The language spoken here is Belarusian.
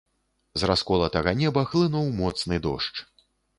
З расколатага неба хлынуў моцны дождж.